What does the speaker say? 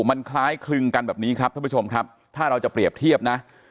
มันคล้ายคลึงกันแบบนี้ครับท่านผู้ชมครับถ้าเราจะเปรียบเทียบนะ